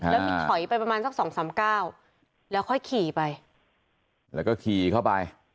แล้วมีถอยไปประมาณสักสองสามเก้าแล้วค่อยขี่ไปแล้วก็ขี่เข้าไป